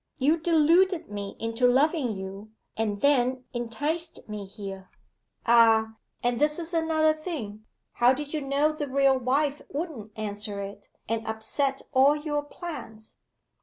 You deluded me into loving you, and then enticed me here! Ah, and this is another thing. How did you know the real wife wouldn't answer it, and upset all your plans?